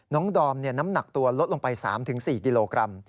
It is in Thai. ดอมน้ำหนักตัวลดลงไป๓๔กิโลกรัม